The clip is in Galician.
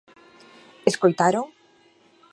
Escoitaron?